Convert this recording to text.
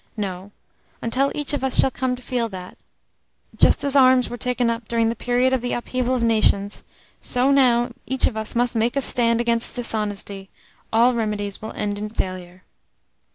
No, until each of us shall come to feel that, just as arms were taken up during the period of the upheaval of nations, so now each of us must make a stand against dishonesty, all remedies will end in failure.